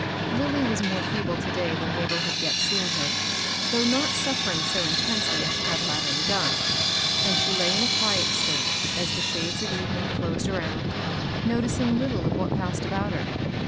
Lilly was more feeble to day tUan Mabel had yet seen her, though not suffering so intensely as she had latterly done ; and she lay in a quiet state, as the shades of evening closed around, noticing little of what passed about her.